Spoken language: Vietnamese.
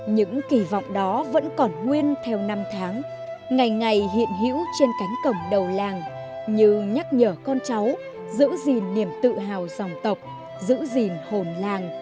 những kỳ vọng đó vẫn còn nguyên theo năm tháng ngày ngày hiện hữu trên cánh cổng đầu làng như nhắc nhở con cháu giữ gìn niềm tự hào dòng tộc giữ gìn hồn làng